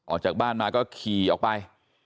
ออกจากบ้านมาก็ขี่ออกไป